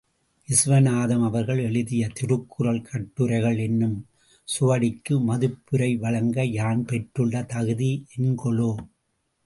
விசுவநாதம் அவர்கள் எழுதிய திருக்குறள் கட்டுரைகள் என்னும் சுவடிக்கு மதிப்புரை வழங்க யான் பெற்றுள்ள தகுதி என்கொலோ?